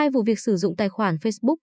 hai vụ việc sử dụng tài khoản facebook